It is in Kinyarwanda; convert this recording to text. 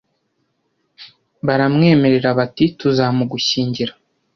Baramwemerera bati Tuzamugushyingira.